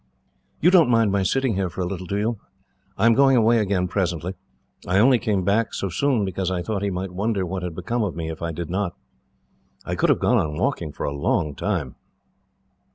"You don't mind my sitting here for a little, do you? I am going away again, presently. I only came back, so soon, because I thought he might wonder what had become of me, if I did not. I could have gone on walking for a long time.